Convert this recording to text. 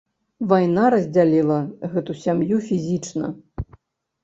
Вайна раздзяліла гэту сям'ю фізічна.